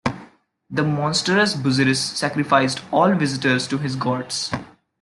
The monstrous Busiris sacrificed all visitors to his gods.